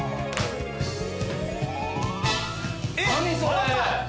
何それ！